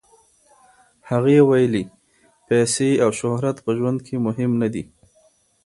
هغې ویلي، پیسې او شهرت په ژوند کې مهم نه دي.